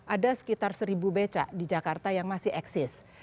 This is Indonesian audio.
ada sekitar seribu becak di jakarta yang masih eksis